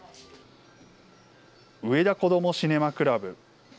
うえだ子どもシネマクラブ。